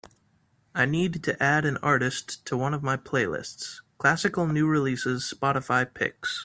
I need to add an artist to one of my playlists, Classical New Releases Spotify Picks.